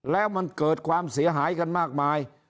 แล้วมันเกิดความเสียหายกันมากมาย